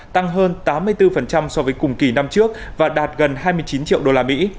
tăng hơn tám mươi bốn so với cùng kỳ năm trước và đạt gần hai mươi chín triệu usd